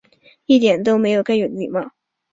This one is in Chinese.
一点都没有该有的礼貌